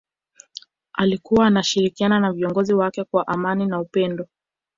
alikuwa anashirikiana na viongozi wake kwa amani na upendo